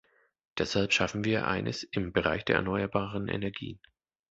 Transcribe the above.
Deshalb schaffen wir eines im Bereich der erneuerbaren Energien.